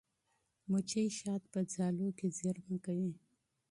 مچۍ شات په ځالو کې زېرمه کوي.